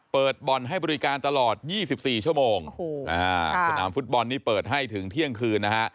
เปิดบ่อนให้บริการตลอด๒๔ชั่วโมงสนามฟุตบอลนี้เปิดให้ถึงเที่ยงคืนนะฮะ